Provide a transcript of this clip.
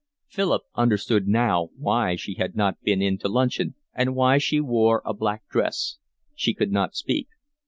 Philip understood now why she had not been in to luncheon and why she wore a black dress. She could not speak.